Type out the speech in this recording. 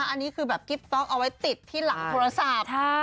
อันนี้คือแบบกิ๊บต๊อกเอาไว้ติดที่หลังโทรศัพท์